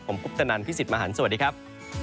ผมคุปตนันพี่สิทธิ์มหันฯสวัสดีครับ